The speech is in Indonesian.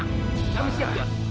kami siap tuan